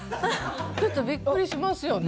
ちょっとびっくりしますよね